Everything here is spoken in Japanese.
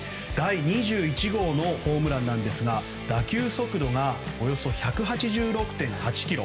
第２１号のホームランですが打球速度がおよそ１８６．８キロ。